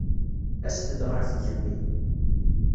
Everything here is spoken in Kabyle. Aset-d ɣer tgemmi.